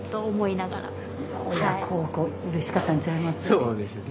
そうですね。